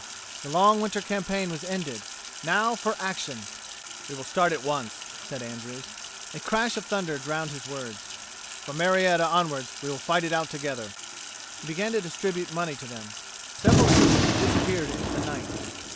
The long winter campaign was ended; now for action! "We will start at once," said Andrews. A crash of thunder drowned his words. "From Marietta onwards we will fight it out together." He began to distribute money to them. Several groups disappeared into the night.